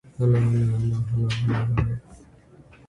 His deputy, Adam Silver, is his successor.